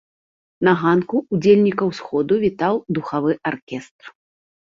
На ганку ўдзельнікаў сходу вітаў духавы аркестр.